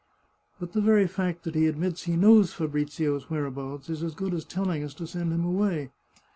" But the very fact that he admits he knows Fabrizio's whereabouts is as good as telling us to send him away.